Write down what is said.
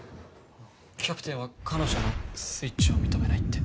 キャプテンは彼女のスイッチを認めないって。